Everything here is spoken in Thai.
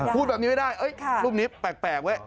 พูดแบบนี้ไม่ได้รูปนี้แปลกเว้ย